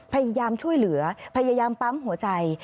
พยายามช่วยเหลือพยายามปั๊มหัวใจ